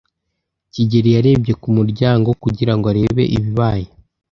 kigeli yarebye ku muryango kugira ngo arebe ibibaye.